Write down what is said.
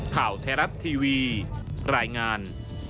ข่าวไทยรัฐทีวีรายงาน